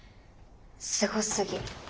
すごすぎ。